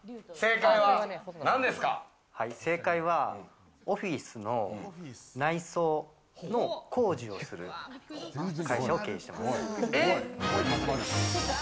正解は、オフィスの内装工事をする会社を経営しています。